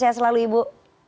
saya selalu ibu